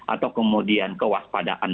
atau kemudian kewaspadaan